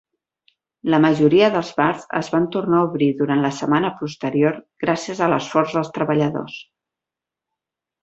La majoria dels bars es van tornar a obrir durant la setmana posterior gràcies a l'esforç dels treballadors.